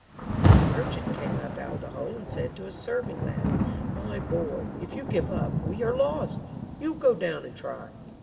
Then the merchant came up out of the hole and said to a serving lad: "My boy, if you give up we are lost! You go down and try!"